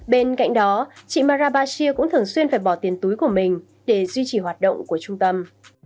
bên cạnh đó chị marabashir cũng thường xuyên phải bỏ tiền túi của mình để duy trì hoạt động của trung tâm